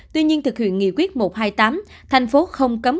tuy nhiên thực hiện nghị quyết một trăm hai mươi tám thành phố không cấm